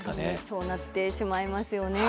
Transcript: そうなってしまいますよね。